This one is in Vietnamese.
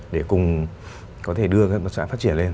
để cùng có thể đưa các hợp tác xã phát triển lên